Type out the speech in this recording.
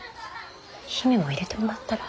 姫も入れてもらったら？